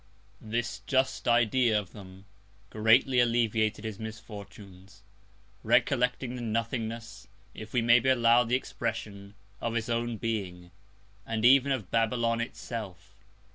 This just Idea of them greatly alleviated his Misfortunes, recollecting the Nothingness, if we may be allow'd the Expression, of his own Being, and even of Babylon itself.